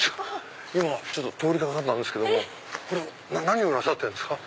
今通り掛かったんですけども何をなさってるんですか？